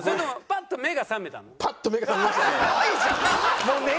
パッと目が覚めましたね。